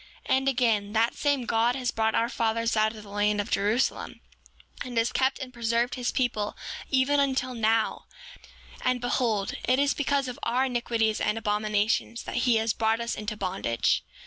7:20 And again, that same God has brought our fathers out of the land of Jerusalem, and has kept and preserved his people even until now; and behold, it is because of our iniquities and abominations that he has brought us into bondage.